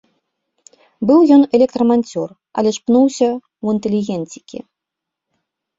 Быў ён электраманцёр, але ж пнуўся ў інтэлігенцікі.